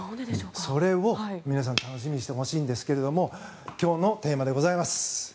それを皆さん楽しみにしてほしいんですけど今日のテーマでございます。